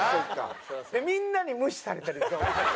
みんなに無視されてる状態。